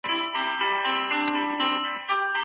موږ بايد دا نړۍ وپېژنو.